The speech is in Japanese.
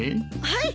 はい！